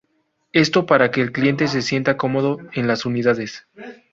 Esto para que el cliente se sienta cómodo en las unidades.